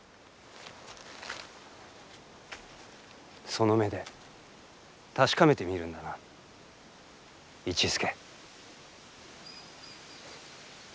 その目で確かめてみるんだな市助。